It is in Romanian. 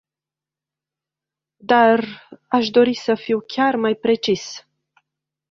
Dar, aș dori să fiu chiar mai precis.